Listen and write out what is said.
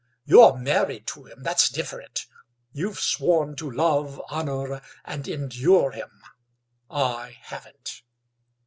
You're married to him—that's different; you've sworn to love, honour, and endure him: I haven't."